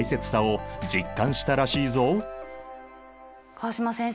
川島先生